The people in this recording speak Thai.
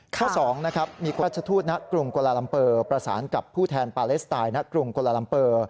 ข้อ๒นะครับมีราชทูตณกรุงโกลาลัมเปอร์ประสานกับผู้แทนปาเลสไตน์ณกรุงโกลาลัมเปอร์